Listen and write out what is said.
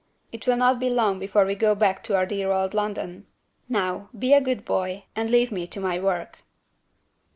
It will not be long before we go back to our dear old London. Now, be a good boy, and leave me to my work."